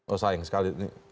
oh sayang sekali ini